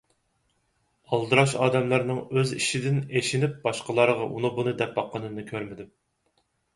ئالدىراش ئادەملەرنىڭ ئۆز ئىشىدىن ئېشىنىپ باشقىلارغا ئۇنى بۇنى دەپ باققىنىنى كۆرمىدىم.